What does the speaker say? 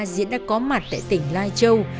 diễn đã có mặt tại tỉnh lai châu